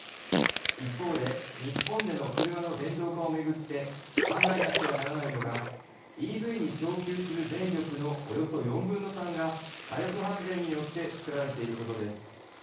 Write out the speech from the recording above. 一方で日本での車の電動化をめぐって考えなくてはならないのがＥＶに供給する電力のおよそ４分の３が火力発電によって作られていることです。